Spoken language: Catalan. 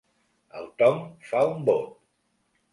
El Tom fa un bot.